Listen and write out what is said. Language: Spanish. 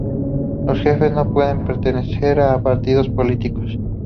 Los jefes no pueden pertenecer a partidos políticos.